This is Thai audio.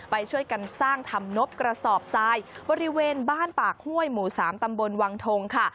ไปช่วยกันสร้างทำนบกระสอบทรายบริเวณบ้านปากห้วยหมู่๓ตำบลวังทงค่ะ